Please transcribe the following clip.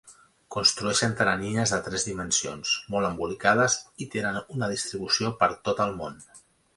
Construeixen teranyines de tres dimensions molt embolicades i tenen una distribució per tot el món.